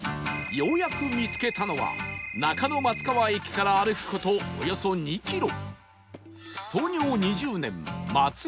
ようやく見つけたのは中野松川駅から歩く事およそ２キロ